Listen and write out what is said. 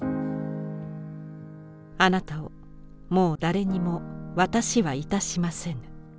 「あなたをもう誰にも渡しはいたしませぬ」。